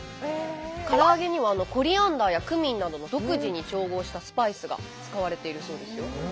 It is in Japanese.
から揚げにはコリアンダーやクミンなどの独自に調合したスパイスが使われているそうですよ。